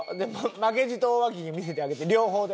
負けじとわき毛見せてあげて両方で。